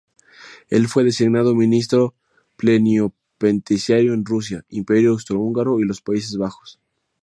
El fue designado ministro plenipotenciario en Rusia, Imperio austrohúngaro y Los Países Bajos.